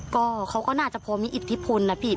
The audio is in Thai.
ก็เขาก็น่าจะพอมีอิทธิพลนะพี่